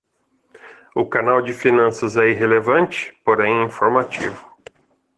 O canal de finanças é irrelevante, porém informativo